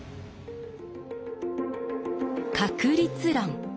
「確率論」。